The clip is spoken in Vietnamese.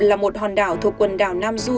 là một hòn đảo thuộc quần đảo nam du